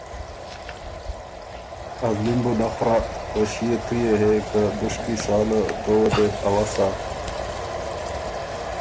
ازلی م بُو نک خورَۀ او ݭيې تُو يې هې که دُشکی ساله تووه دې بو اؤسا